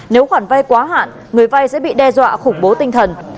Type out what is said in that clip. nếu khoản vai quá hạn người vai sẽ bị đe dọa khủng bố tinh thần